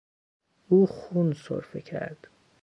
او خون سرفه کرد.